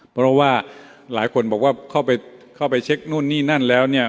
เพราะว่าหลายคนบอกว่าเข้าไปเช็คนู่นนี่นั่นแล้วเนี่ย